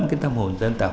cái tâm hồn dân tộc